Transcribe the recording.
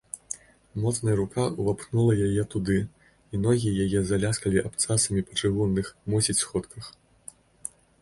Моцная рука ўвапхнула яе туды, і ногі яе заляскалі абцасамі па чыгунных, мусіць, сходках.